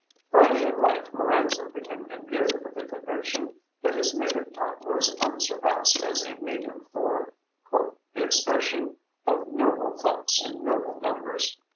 Early in life Lorenzo became imbued with the conviction that his native tongue was unsurpassed as a medium for "the expression of noble thoughts in noble numbers."